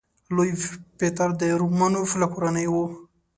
لوی پطر د رومانوف له کورنۍ و.